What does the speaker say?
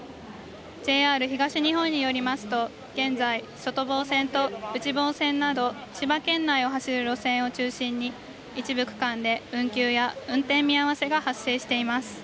ＪＲ東日本によりますと現在、外房線と内房線など、千葉県内を走る路線を中心に一部区間で運休や運転見合わせが発生しています。